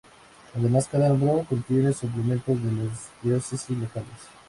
Además cada número contiene suplementos de las diócesis locales.